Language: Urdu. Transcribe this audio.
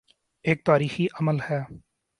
ایک تاریخی عمل ہے۔